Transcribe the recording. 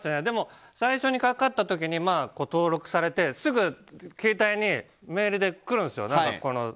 でも、最初にかかった時に登録されて、すぐ携帯にメールで来るんですよ。